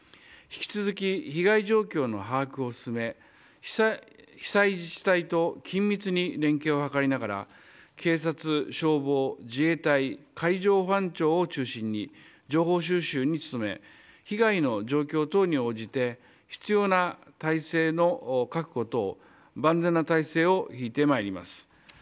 引き続き被害状況の把握を進め被災自治体と緊密に連携を図りながら警察、消防、自衛隊海上保安庁を中心に情報収集に努め被害の状況等に応じて必要な態勢の確保等万全な態勢を敷いてまいります。